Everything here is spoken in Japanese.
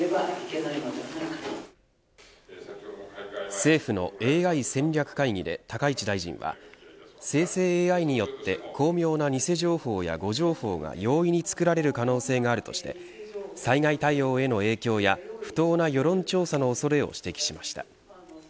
政府のＡＩ戦略会議で高市大臣は生成ＡＩによって巧妙な偽情報や誤情報が容易に作られる可能性があるとして災害対応への影響や、不当な世論調査の恐れを指摘しました。